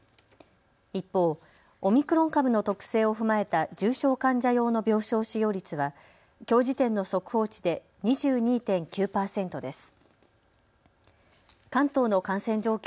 一方、オミクロン株の特性を踏まえた重症患者用の病床使用率はきょう時点の速報値で２２．９％です。